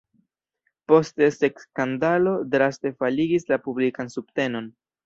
Poste seksskandalo draste faligis la publikan subtenon.